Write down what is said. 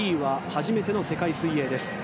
初めての世界水泳です。